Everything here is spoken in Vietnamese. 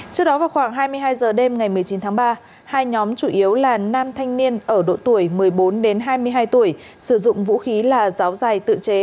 trước đó vào khoảng hai mươi hai h đêm ngày một mươi chín tháng ba hai nhóm chủ yếu là nam thanh niên ở độ tuổi một mươi bốn đến hai mươi hai tuổi sử dụng vũ khí là giáo dài tự chế